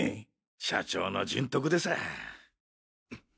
社長の人徳でさぁ。